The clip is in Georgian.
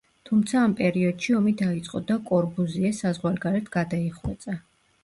თუმცა ამ პერიოდში ომი დაიწყო და კორბუზიე საზღვარგარეთ გადაიხვეწა.